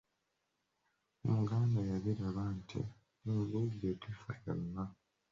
Omuganda yabiraba nti, "Embuulire tefa yonna"